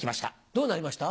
どうなりました？